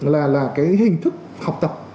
là cái hình thức học tập